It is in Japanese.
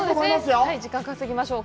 時間稼ぎましょう。